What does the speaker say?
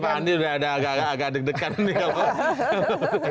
ini kan ada agak deg degan nih